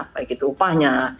baik itu upahnya